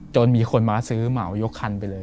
จนมีคนมาซื้อเหมายกคันไปเลย